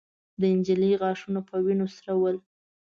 د نجلۍ غاښونه په وينو سره ول.